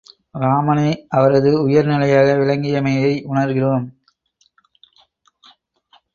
இராமனே அவரது உயிர்நிலையாக விளங்கியமையை உணர்கிறோம்.